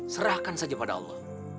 serahkan saja pada allah